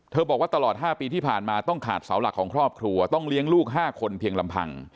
บอกว่าตลอด๕ปีที่ผ่านมาต้องขาดเสาหลักของครอบครัวต้องเลี้ยงลูก๕คนเพียงลำพัง